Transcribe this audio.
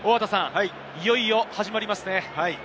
いよいよ始まりますね。